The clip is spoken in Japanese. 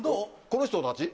この人たち？